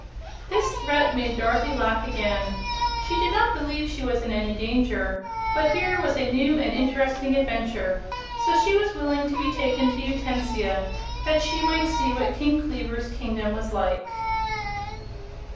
This threat made Dorothy laugh again. She did not believe she was in any danger; but here was a new and interesting adventure, so she was willing to be taken to Utensia that she might see what King Kleaver's kingdom was like.